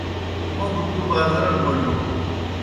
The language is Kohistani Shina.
موْ گہ تُوْ بازرَڑ بوجوݨ۔